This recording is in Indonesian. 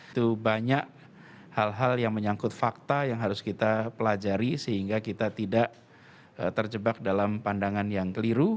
itu banyak hal hal yang menyangkut fakta yang harus kita pelajari sehingga kita tidak terjebak dalam pandangan yang keliru